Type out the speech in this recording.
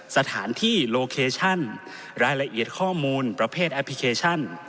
สถานที่โลเคชั่นรายละเอียดข้อมูลประเภทแอปพลิเคชัน